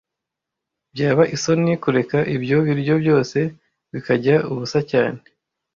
Byabaisoni kureka ibyo biryo byose bikajya ubusa cyane